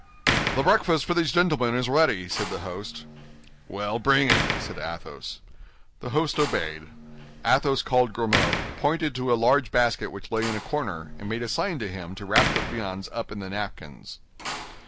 "The breakfast for these gentlemen is ready," said the host. "Well, bring it," said Athos. The host obeyed. Athos called Grimaud, pointed to a large basket which lay in a corner, and made a sign to him to wrap the viands up in the napkins.